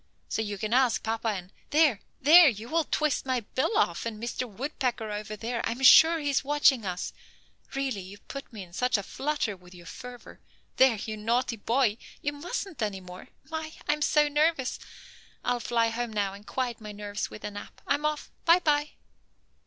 So you can ask papa and there, there! You will twist my bill off, and Mr. Woodpecker over there, I am sure is watching us. Really you put me in such a flutter with your fervor. There, you naughty boy; you mustn't any more. My! I am so nervous. I'll fly home now and quiet my nerves with a nap. I'm off. By by."